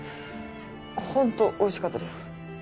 本当おいしかったです。